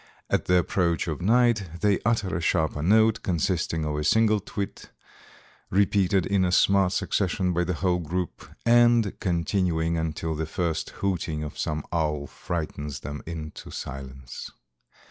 At the approach of night they utter a sharper note, consisting of a single twit, repeated in a smart succession by the whole group, and continuing until the first hooting of some owl frightens them into silence.